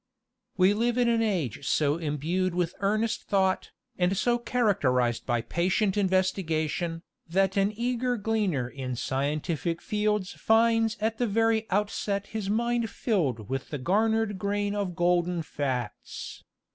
We live in an age so imbued with earnest thought, and so characterized by patient investigation, that an eager gleaner in scientific fields finds at the very outset his mind filled with the garnered grain of golden facts.